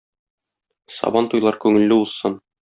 Сабантуйлар күңелле узсын!